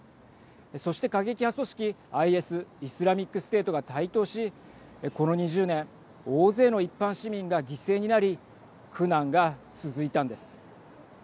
そして過激派組織ＩＳ＝イスラミックステートが台頭しこの２０年大勢の一般市民が犠牲になり苦難が続いたんです。